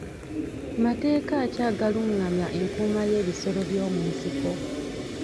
Mateeka ki agalungamya enkuuma y'ebisolo by'omu nsiko.